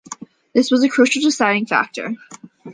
This was a crucial deciding factor.